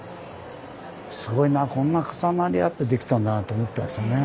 すごいなこんな重なり合ってできたんだなと思ったですね。